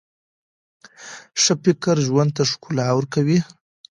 ښه فکر ژوند ته ښکلا ورکوي.